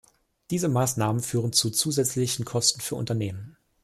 Diese Maßnahmen führen zu zusätzlichen Kosten für Unternehmen.